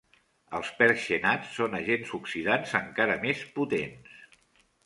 Els perxenats són agents oxidants encara més potents.